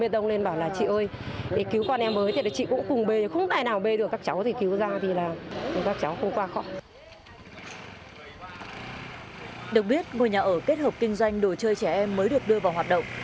được biết ngôi nhà ở kết hợp kinh doanh đồ chơi trẻ em mới được đưa vào hoạt động